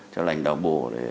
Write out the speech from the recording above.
cho lãnh đạo bộ